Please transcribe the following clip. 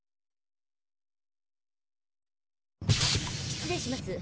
失礼します。